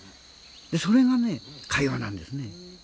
それがね、会話なんですね。